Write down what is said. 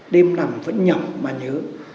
đêm nằm vẫn nhầm mà nhớ